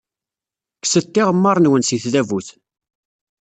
Kkset tiɣemmar-nwen seg tdabut.